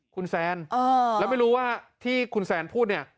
คุณแซนแล้วไม่รู้ว่าที่คุณแซนพูดเนี่ย